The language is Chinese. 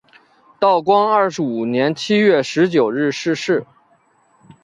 道光二十五年七月十九日逝世。